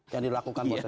yang dilakukan proses itu